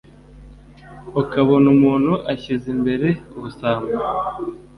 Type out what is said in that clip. ukabona umuntu ashyize imbere ubusambo